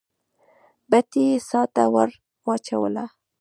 بتۍ يې څا ته ور واچوله.